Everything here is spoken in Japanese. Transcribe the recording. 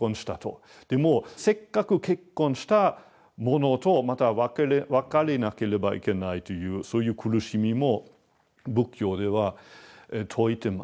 でもせっかく結婚した者とまた別れなければいけないというそういう苦しみも仏教では説いてます。